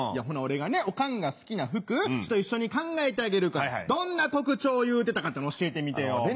ほな俺がオカンが好きな服一緒に考えてあげるからどんな特徴を言うてたか教えてみてよ。